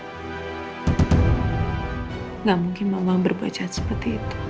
gak mungkin mama berbaca seperti itu